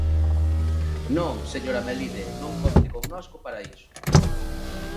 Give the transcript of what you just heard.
Non, señora Melide, non conte connosco para iso.